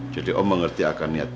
jadi om mengerti akan penjelasan kamu